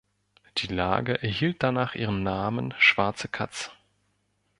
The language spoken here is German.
Die Lage erhielt danach ihren Namen "Schwarze Katz".